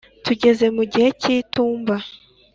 tugeze mugihe cyitumba